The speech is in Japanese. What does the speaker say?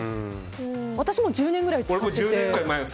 俺も１０年ぐらい使ってた。